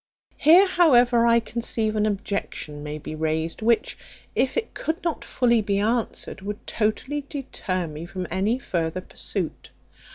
Here, however, I conceive an objection may be raised, which, if it could not fully be answered, would totally deter me from any further pursuit.